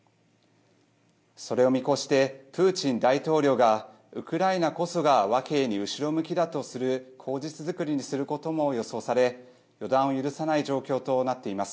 それを見越してプーチン大統領がウクライナこそが和平に後ろ向きだとする口実作りにすることも予想され予断を許さない状況となっています。